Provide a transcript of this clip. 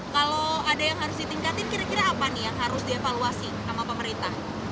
kalau ada yang harus ditingkatin kira kira apa nih yang harus dievaluasi sama pemerintah